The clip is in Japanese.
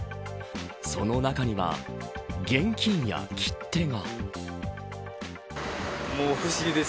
その中には現金や切手が。